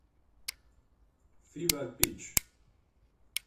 Fever Pitch